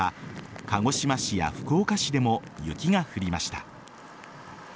鹿児島市や福岡市でも雪が降りました。